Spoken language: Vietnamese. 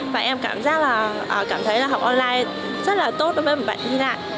và em cảm giác là cảm thấy là học online rất là tốt với bọn bạn thi lại